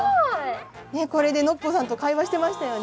ねえこれでノッポさんと会話してましたよね。